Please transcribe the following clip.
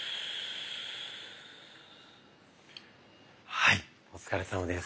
はいお疲れさまです。